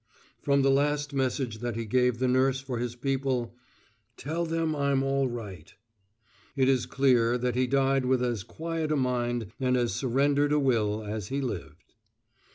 From the last message that he gave the nurse for his people, "Tell them I'm all right," it is clear that he died with as quiet a mind and as surrendered a will as he lived.